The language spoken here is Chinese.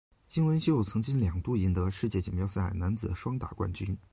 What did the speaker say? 金文秀曾经两度赢得世界锦标赛男子双打冠军。